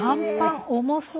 重そう。